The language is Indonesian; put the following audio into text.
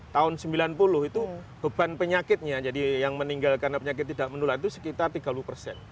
tahun sembilan puluh itu beban penyakitnya jadi yang meninggal karena penyakit tidak menular itu sekitar tiga puluh persen